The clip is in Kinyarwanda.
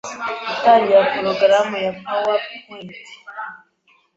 Gutangira porogaramu ya pawa pwenti